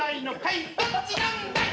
いどっちなんだい！